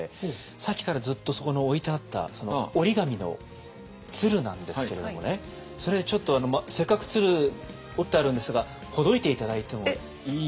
さっきからずっとそこの置いてあったその折り紙の鶴なんですけれどもねそれちょっとせっかく鶴折ってあるんですがほどいて頂いてもいいですか？